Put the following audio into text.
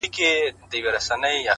چي ته به يې په کومو صحفو _ قتل روا کي _